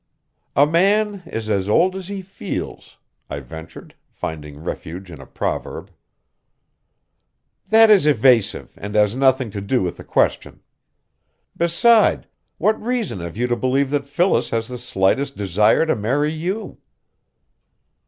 "A man is as old as he feels," I ventured, finding refuge in a proverb. "That is evasive, and has nothing to do with the question. Beside, what reason have you to believe that Phyllis has the slightest desire to marry you?"